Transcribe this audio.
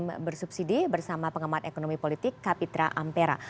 harga bbm bersubsidi bersama pengamat ekonomi politik kapitra ampera